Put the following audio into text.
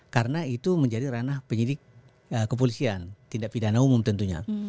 karena itu menjadi ranah penyidik kepolisian tindak pidana umum tentunya